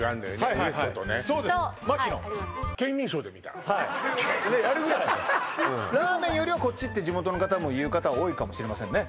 ウエストとねそうです牧のラーメンよりはこっちって地元の方もいう方多いかもしれませんね